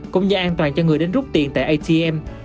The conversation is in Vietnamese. cũng như an toàn cho người đến rút tiền tại atm